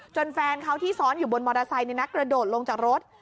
แฟนเขาที่ซ้อนอยู่บนมอเตอร์ไซค์กระโดดลงจากรถ